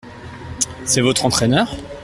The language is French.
C’est votre entraineur ?